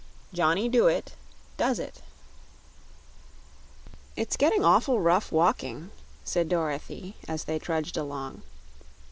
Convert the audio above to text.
11. Johnny Dooit Does It "It's getting awful rough walking," said Dorothy, as they trudged along.